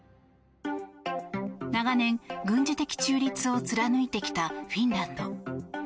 長年、軍事的中立を貫いてきたフィンランド。